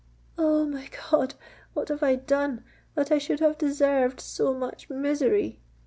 "Oh! my God—what have I done, that I should have deserved so much misery!"